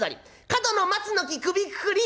「『角の松の木首くくり』」。